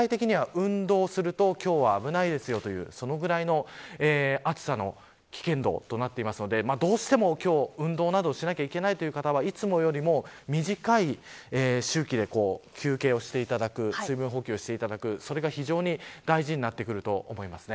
具体的には、運動すると今日は危ないですよというそのぐらいの暑さの危険度となっていますのでどうしても、今日運動などをしなければいけない方はいつもよりも短い周期で休憩をしていただく水分補給をしていただくそれが非常に大事になってくると思います。